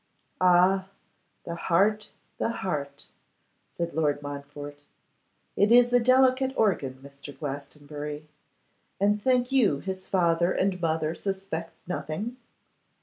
'Ah! the heart, the heart,' said Lord Montfort: 'it is a delicate organ, Mr. Glastonbury. And think you his father and mother suspect nothing?